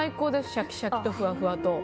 シャキシャキとふわふわと。